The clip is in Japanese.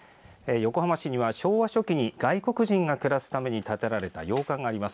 横浜市に昭和初期に外国人が暮らすために建てられた洋館があります。